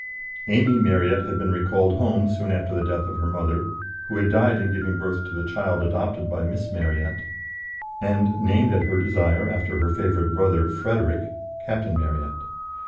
Amy Marryat had been recalled home soon after the death of her mother, who had died in giving birth to the child adopted by Miss Marryat, and named at her desire after her favourite brother Frederick (Captain Marryat).